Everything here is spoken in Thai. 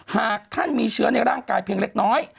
หากท่านมีเชื้อในร่างกายเพียงเล็กน้อย